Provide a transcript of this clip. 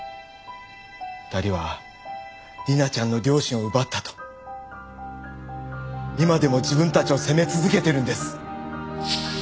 ２人は理奈ちゃんの両親を奪ったと今でも自分たちを責め続けてるんです。